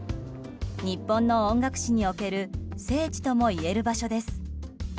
日本の音楽史における聖地ともいえる場所です。